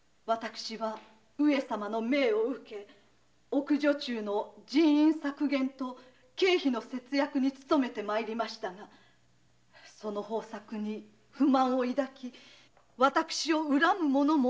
上様の命を受け奥女中の人員削減と経費の節約につとめてまいりましたがその方策に不満を抱き私を憎む者もあるやもしれませぬ。